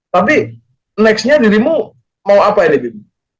tapi nextnya dirimu mau apa ya bim